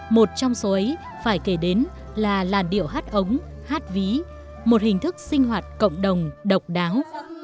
một trong số ấy phải kể đến là làn điệu hát ống hát ví một hình thức sinh hoạt cộng đồng độc đáo